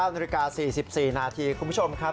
๙น๔๔นาทีคุณผู้ชมครับ